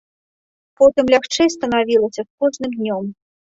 Потым лягчэй станавілася з кожным днём.